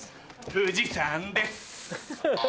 富士山です